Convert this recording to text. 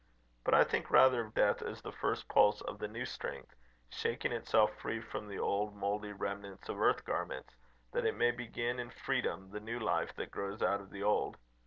But I think rather of death as the first pulse of the new strength, shaking itself free from the old mouldy remnants of earth garments, that it may begin in freedom the new life that grows out of the old.